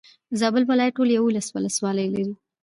زابل ولايت ټولي يولس ولسوالي لري.